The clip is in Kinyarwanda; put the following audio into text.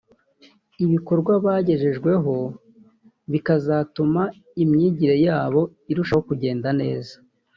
ibikorwa bagejejweho bikazatuma imyigire yabo irushaho kugenda neza